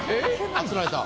・あつらえた。